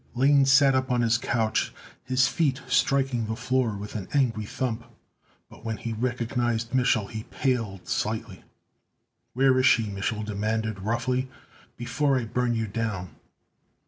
Lane sat up on his couch, his feet striking the floor with an angry thump. But when he recognized Mich'l he paled slightly. "Where is she?" Mich'l demanded roughly, "before I burn you down!"